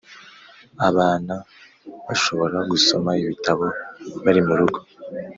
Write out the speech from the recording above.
abana bashobora gusoma ibitabo barimurugo